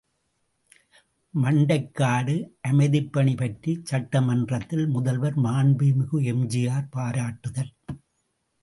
● மண்டைக்காடு அமைதிப்பணி பற்றிச் சட்ட மன்றத்தில் முதல்வர் மாண்புமிகு எம்.ஜி.ஆர். பாராட்டுதல்.